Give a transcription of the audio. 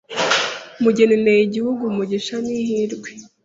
mugeri n’ey’igihugu Umugishe n’ihirwe